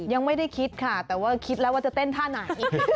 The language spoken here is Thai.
ยังไม่ได้คิดค่ะแต่ว่าคิดแล้วว่าจะเต้นท่าไหน